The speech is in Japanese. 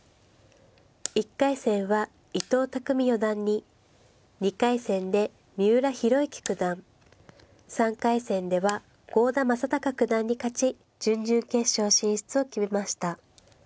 １回戦は伊藤匠四段に２回戦で三浦弘行九段３回戦では郷田真隆九段に勝ち準々決勝進出を決めました。